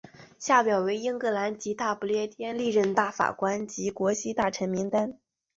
下表为英格兰及大不列颠历任大法官及国玺大臣名单。